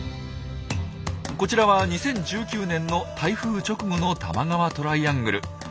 こちらは２０１９年の台風直後の多摩川トライアングル。